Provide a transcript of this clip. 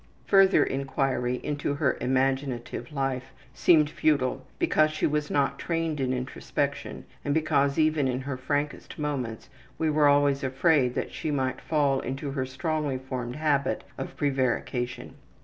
Further inquiry into her imaginative life seemed futile because she was not trained in introspection and because even in her frankest moments we were always afraid that she might fall into her strongly formed habit of prevarication.